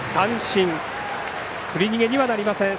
振り逃げにはなりません。